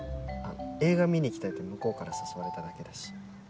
映画見に行きたいって向こうから誘われただけだし